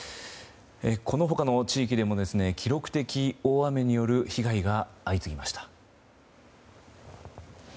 この他の地域でも記録的大雨による被害が相次ぎました。